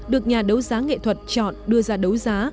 được nhà đấu giá nghệ thuật chọn đưa ra đấu giá